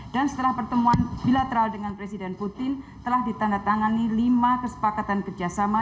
dan setelah pertemuan bilateral dengan presiden putin telah ditandatangani lima kesepakatan kerjasama